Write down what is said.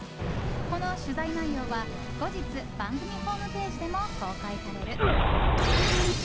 この取材内容は、後日番組ホームページでも公開される。